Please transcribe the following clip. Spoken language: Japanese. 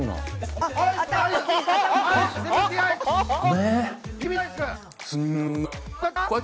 あっ！